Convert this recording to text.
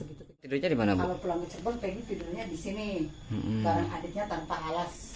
gitu tidurnya dimana bu kalau pulang ke cepul peggy tidurnya di sini barang adiknya tanpa alas